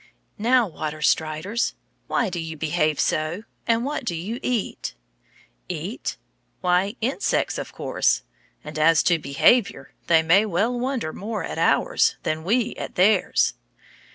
Now, water striders, why do you behave so, and what do you eat? Eat? Why, insects, of course. And as to behavior, they may well wonder more at ours than we at theirs.